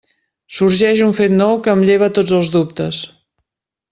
Sorgeix un fet nou que em lleva tots els dubtes.